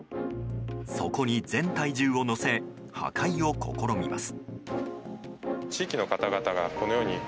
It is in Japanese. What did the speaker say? そこに全体重を乗せ破壊を試みます。